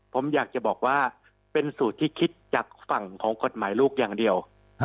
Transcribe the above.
ผมอยากจะบอกว่าเป็นสูตรที่คิดจากฝั่งของกฎหมายลูกอย่างเดียว